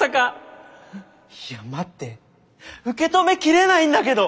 いや待って受け止め切れないんだけど！